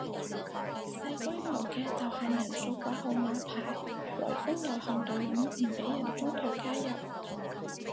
細規模嘅就限人數掛號碼牌圍封遊行隊伍唔俾人中途加入